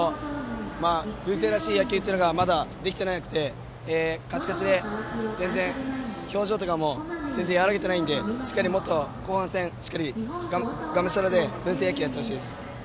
文星らしい野球がまだできてなくてカチカチで全然表情も和らげていないのでしっかり後半戦しっかりがむしゃらで文星野球をやってほしいです。